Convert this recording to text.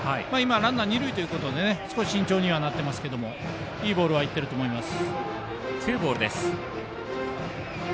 ランナー二塁ということで少し慎重にはなっていますけどいいボールはいっていると思います。